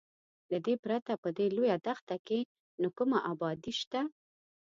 له دې پرته په دې لویه دښته کې نه کومه ابادي شته.